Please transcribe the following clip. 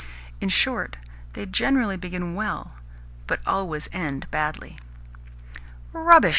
In short, they generally begin well, but always end badly. "Rubbish!"